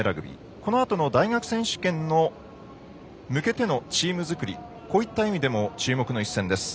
このあとの大学選手権に向けてのチーム作り、こういった意味でも注目の一戦です。